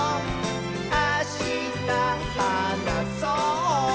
あしたはなそう！」